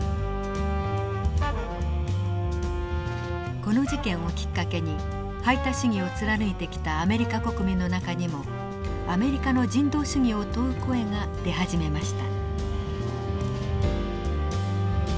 この事件をきっかけに排他主義を貫いてきたアメリカ国民の中にもアメリカの人道主義を問う声が出始めました。